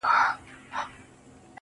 زه.